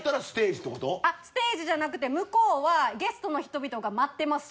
ステージじゃなくて向こうはゲストの人々が待ってます